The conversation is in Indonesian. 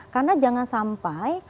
karena jangan sampai